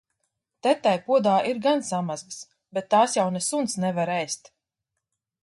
Te tai podā ir gan samazgas, bet tās jau ne suns nevar ēst.